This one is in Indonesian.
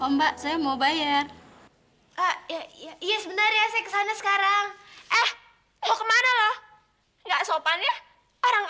ombak saya mau bayar sebenarnya saya kesana sekarang eh mau kemana loh enggak sopan ya orang